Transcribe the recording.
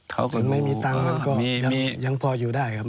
คนไม่มีตังค์มันก็ยังพออยู่ได้ครับ